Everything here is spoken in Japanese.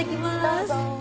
どうぞ。